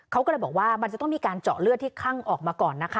เขาก็เลยบอกว่ามันจะต้องมีการเจาะเลือดที่คลั่งออกมาก่อนนะคะ